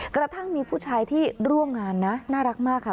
กระทั่งมีผู้ชายที่ร่วมงานนะน่ารักมากค่ะ